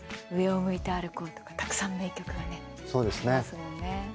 「上を向いて歩こう」とかたくさん名曲がねありますもんね。